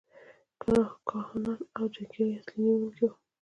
کاهنان او جنګیالي اصلي نیونکي وو.